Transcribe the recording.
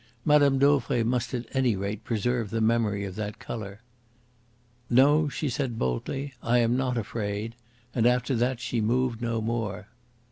Madame Dauvray must at any rate preserve the memory of that colour. "No," she said boldly; "I am not afraid," and after that she moved no more.